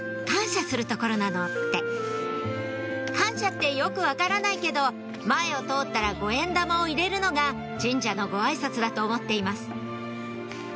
「感謝する所なの」って感謝ってよく分からないけど前を通ったら五円玉を入れるのが神社のごあいさつだと思っています